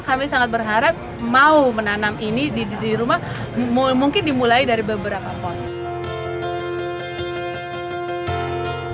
kami sangat berharap mau menanam ini di rumah mungkin dimulai dari beberapa pohon